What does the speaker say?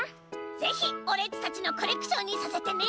ぜひオレっちたちのコレクションにさせてね！